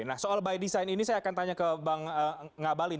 nah soal by design ini saya akan tanya ke bang ngabalin